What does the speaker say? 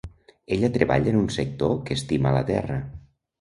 Ella treballa en un sector que estima la terra.